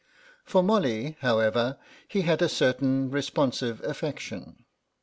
For Molly, however, he had a certain responsive affection.